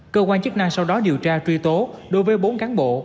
cơ quan chức năng sau đó điều tra truy tố đối với bốn cán bộ